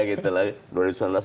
gelangnya ada gitu lah